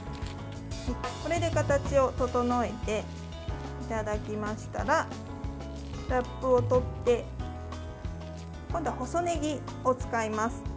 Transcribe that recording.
これで形を整えていただきましたらラップを取って今度は細ねぎを使います。